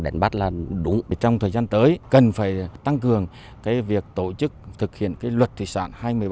đúng trong thời gian tới cần phải tăng cường việc tổ chức thực hiện luật thị sản hai mươi bảy